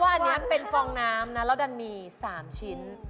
เพราะอันนี้เป็นฟองน้ำมี๓ชิ้น